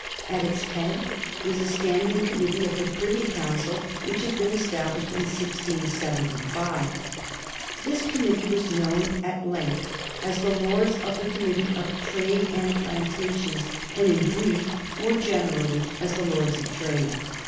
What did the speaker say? At its head was a standing committee of the Privy Council which had been established in 1675. This committee was known at length as "The Lords of the Committee of Trade and Plantations," and in brief and more generally as "The Lords of Trade."